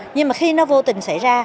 nhưng mà khi nó vô tình xảy ra